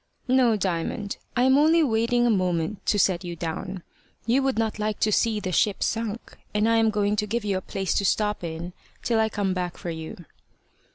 "No, Diamond. I am only waiting a moment to set you down. You would not like to see the ship sunk, and I am going to give you a place to stop in till I come back for you."